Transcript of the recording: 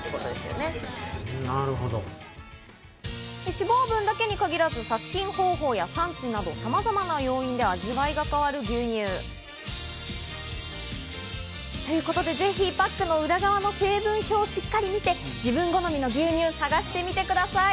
脂肪分だけに限らず、殺菌方法や産地など、さまざまな要因で味わいが変わる牛乳。ということで、ぜひパックの裏側の成分表をしっかり見て、自分好みの牛乳を探してみてください。